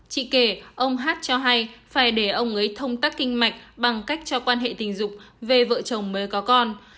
chị kể ông hát cho hay phải để ông ấy thông tắc kinh mạch bằng cách cho quan hệ tình dục về vợ chồng mới có con